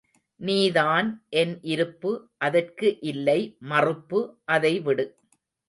நீதான் என் இருப்பு அதற்கு இல்லை மறுப்பு அதை விடு.